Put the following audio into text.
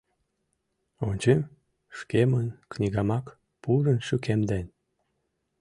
Ончем: шкемын книгамак пурын шӱкемден.